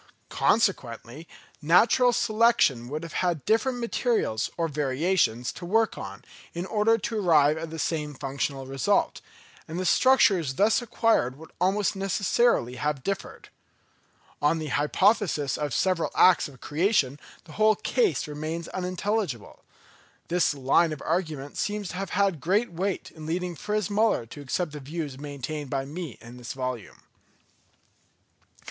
Consequently natural selection would have had different materials or variations to work on, in order to arrive at the same functional result; and the structures thus acquired would almost necessarily have differed. On the hypothesis of separate acts of creation the whole case remains unintelligible. This line of argument seems to have had great weight in leading Fritz Müller to accept the views maintained by me in this volume.